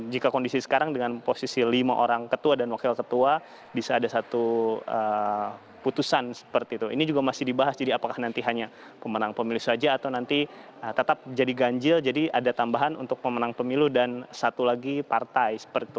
jadi ini juga masih dibahas jadi apakah nanti hanya pemenang pemilu saja atau nanti tetap jadi ganjil jadi ada tambahan untuk pemenang pemilu dan satu lagi partai seperti itu